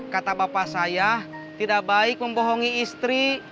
kata bapak saya tidak baik membohongi istri